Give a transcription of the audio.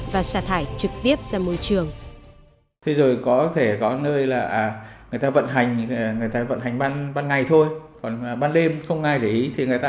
và xả thải trực tiếp ra môi trường